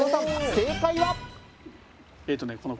正解は？